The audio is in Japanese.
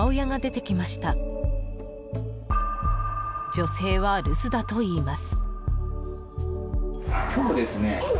［女性は留守だといいます］